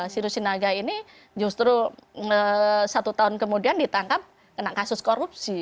siru sinaga ini justru satu tahun kemudian ditangkap kena kasus korupsi